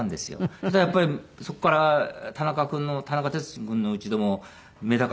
そしたらやっぱりそこから田中君の田中哲司君の家でもメダカが増えて。